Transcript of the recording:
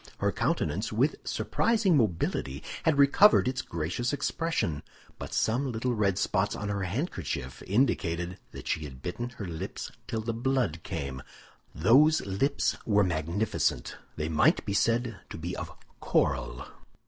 Her countenance, with surprising mobility, had recovered its gracious expression; but some little red spots on her handkerchief indicated that she had bitten her lips till the blood came. Those lips were magnificent; they might be said to be of coral.